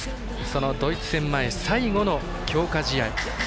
そのドイツ戦前、最後の強化試合。